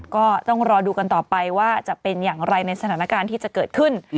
ก็ต้องรอดูกันต่อไปว่าจะเป็นอย่างไรในสถานการณ์ที่จะเกิดขึ้น